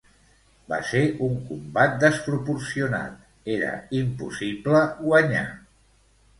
Va ser un combat desproporcionat, era impossible guanyar.